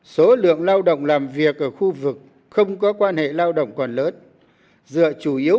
số lượng lao động làm việc ở khu vực không có quan hệ lao động còn lớn dựa chủ yếu